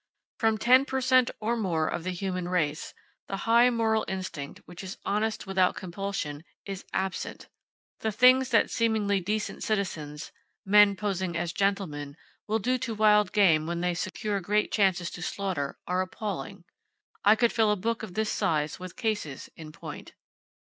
From ten per cent (or more) of the human race, the high moral instinct which is honest without compulsion is absent. The things that seemingly decent citizens,—men posing as gentlemen,—will do to wild game when they secure great chances to slaughter, are appalling. I could fill a book of this size with cases in point.